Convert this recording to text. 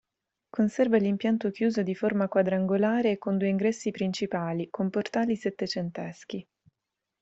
Conserva l'impianto chiuso di forma quadrangolare e con due ingressi principali, con portali settecenteschi.